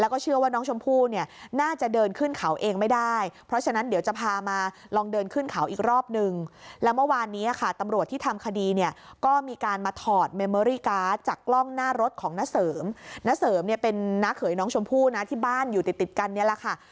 คดีเนี่ยก็มีการมาถอดเมมอรี่การ์ดจากกล้องหน้ารถของนเสริมนเสริมเนี่ยเป็นนักเหยน้องชมพู่นะที่บ้านอยู่ติดกันนี้แหละค่ะ